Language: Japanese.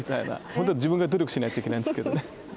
本当は自分が努力しないといけないんですけどね。